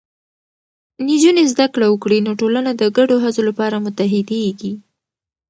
نجونې زده کړه وکړي، نو ټولنه د ګډو هڅو لپاره متحدېږي.